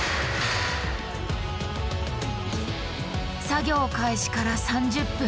作業開始から３０分。